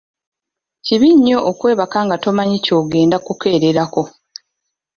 Kibi nnyo okwebaka nga tomanyi ky'ogenda kukeererako.